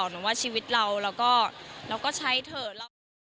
หนูว่าชีวิตเราเราก็ใช้เถอะเราก็